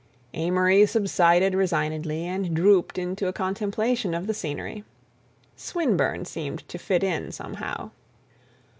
Amory subsided resignedly and drooped into a contemplation of the scenery. Swinburne seemed to fit in somehow.